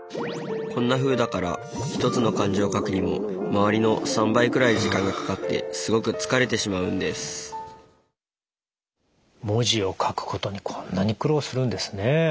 こんなふうだから１つの漢字を書くにも周りの３倍くらい時間がかかってすごく疲れてしまうんです文字を書くことにこんなに苦労するんですね。